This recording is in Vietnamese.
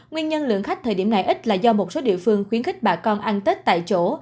nguyên nhân lượng khách thời điểm này ít là do một số địa phương khuyến khích bà con ăn tết tại chỗ